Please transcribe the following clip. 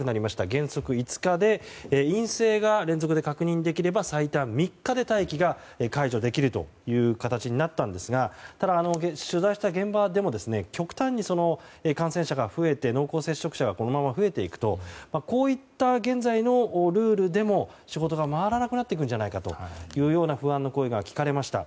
原則５日で陰性が連続で確認できれば最短３日で待機が解除できるという形になったんですがただ、取材した現場でも極端に感染者が増えて濃厚接触者がこのまま増えていくとこういった現在のルールでも仕事が回らなくなっていくんじゃないかという不安の声が聞かれました。